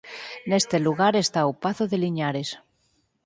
Neste lugar está o pazo de Liñares.